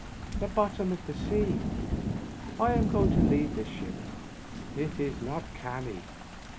" The bottom of the sea. I am going to leave this ship. It is not canny."